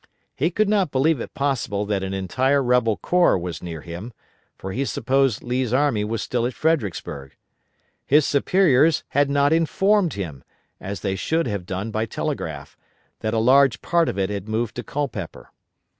He could not believe it possible that an entire rebel corps was near him, for he supposed Lee's army was still at Fredericksburg. His superiors had not informed him, as they should have done by telegraph, that a large part of it had moved to Culpeper.